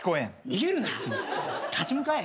逃げるな立ち向かえ。